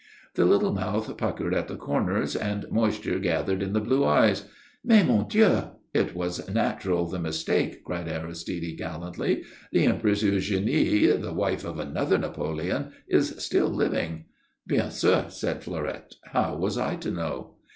The little mouth puckered at the corners and moisture gathered in the blue eyes. "Mais, mon Dieu, it was natural, the mistake," cried Aristide, gallantly. "The Empress Eugénie, the wife of another Napoleon, is still living." "Bien sûr," said Fleurette. "How was I to know?"